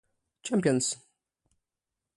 Champions.